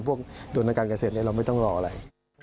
พวกโดนอาการเกษตรนี้เราไม่ต้องรออะไร